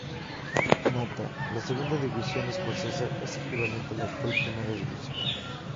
Nota: la Segunda división escocesa es equivalente a la actual Primera división.